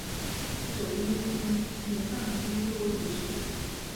不久因母丧丁忧离职。